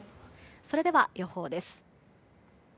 それでは、予報です。